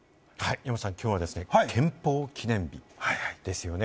山ちゃん、今日は憲法記念日ですよね。